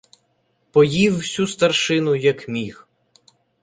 Поїв всю старшину, як міг.